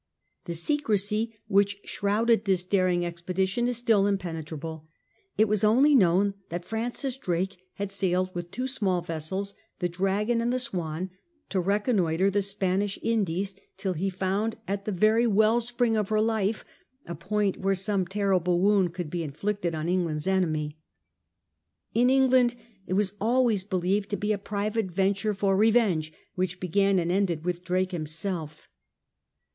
The secrecy which shrouded this daring expedition is still impenetrable. It was only known that Francis Drake had sailed with two small vessels, the Dragon and the Swan^ to reconnoitre the Spanish Indies till he found II FIRST STEPS TO REPRISAL 19 at the very well spring of her life a point where some terrible wound could be inflicted on England's enemy. In England it was always believed to be a private venture for revenge, which began and ended with Drake himself.